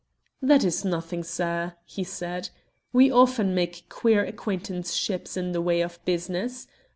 "That is nothing, sir," he said. "We often make queer acquaintanceships in the way of business.